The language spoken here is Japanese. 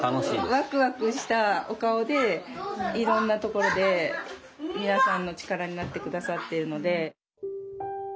ワクワクしたお顔でいろんなところで皆さんの力になって下さっているので。